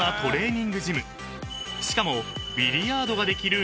［しかも］